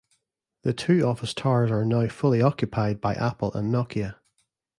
The two office towers are now fully occupied by Apple and Nokia.